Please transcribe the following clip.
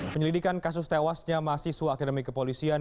penyelidikan kasus tewasnya mahasiswa akademi kepolisian